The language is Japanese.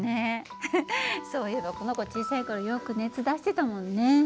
フフッそういえばこの子小さい頃よく熱出してたもんね。